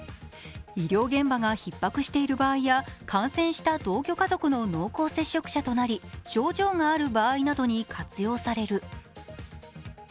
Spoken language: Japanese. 医療現場がひっ迫している場合や感染した同居家族の濃厚接触者となり、症状がある場合などに活用される。